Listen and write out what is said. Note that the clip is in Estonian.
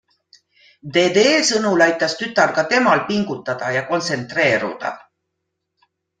Dede sõnul aitas tütar ka temal pingutada ja kontsentreeruda.